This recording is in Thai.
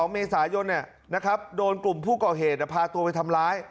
๒เมษายนโดนกลุ่มผู้ก่อเหตุพาตัวไปทำร้าย